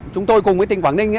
chúng tôi cùng với tỉnh quảng ninh